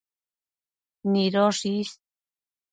nidosh is